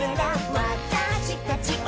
「わたしたちを」